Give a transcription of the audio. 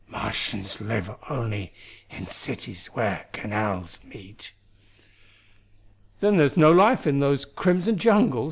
"Martians live only in cities where canals meet." "Then there's no life in those crimson jungles?"